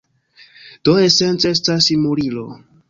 Do esence estas simulilo.